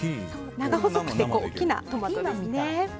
長細くて大きなトマトですね。